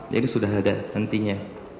jadi sudah ada hentinya